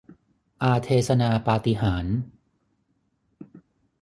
อาเทสนาปาฏิหาริย์